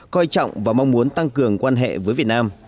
coi trọng và mong muốn tăng cường quan hệ với việt nam